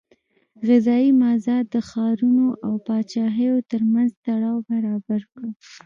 غذایي مازاد د ښارونو او پاچاهیو ترمنځ تړاو برابر کړ.